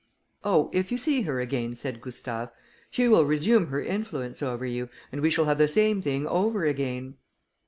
"Oh, if you see her again," said Gustave, "she will resume her influence over you, and we shall have the same thing over again."